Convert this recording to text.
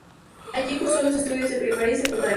Allí curso los estudios de primaria y secundaria.